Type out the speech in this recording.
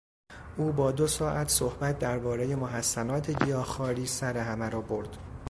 او با دو ساعت صحبت دربارهی محسنات گیاهخواری سر همه را برد.